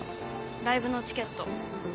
ライブのチケット。